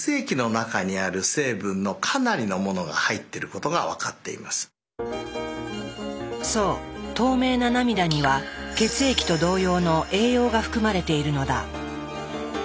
この涙の中にはですねそう透明な涙には血液と同様の栄養が含まれているのだ。